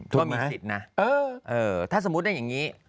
ก็มีสิทธิ์นะถ้าสมมุติได้อย่างนี้